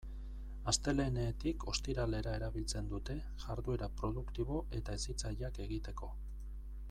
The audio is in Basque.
Astelehenetik ostiralera erabiltzen dute, jarduera produktibo eta hezitzaileak egiteko.